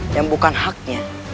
yang bukan haknya